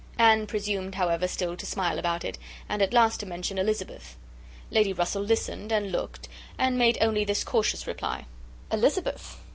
Anne presumed, however, still to smile about it, and at last to mention "Elizabeth." Lady Russell listened, and looked, and made only this cautious reply:—"Elizabeth!